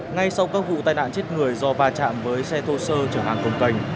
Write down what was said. ngay sau các vụ tai nạn chết người do va chạm với xe thô sơ chở hàng công cơn